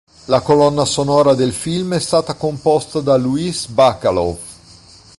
La colonna sonora del film è stata composta da Luis Bacalov.